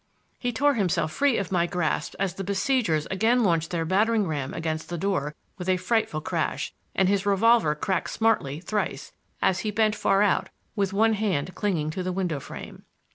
He tore himself free of my grasp as the besiegers again launched their battering ram against the door with a frightful crash, and his revolver cracked smartly thrice, as he bent far out with one hand clinging to the window frame.